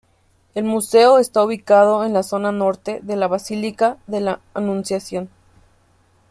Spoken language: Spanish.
El Museo está ubicado en la zona norte de la Basílica de la Anunciación.